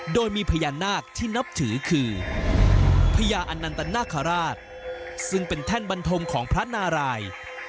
โดยมีพญานาคที่นับถือคือพญาอนันตนาคาราชซึ่งเป็นแท่นบันทมของพระนาราย